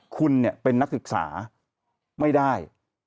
คุณเป็นนักศึกษาไม่ได้